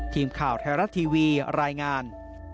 ทีมข่าวไทยรัฐทีวีรายงาน